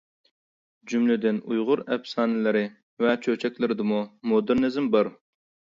جۈملىدىن ئۇيغۇر ئەپسانىلىرى ۋە چۆچەكلىرىدىمۇ مودېرنىزم بار.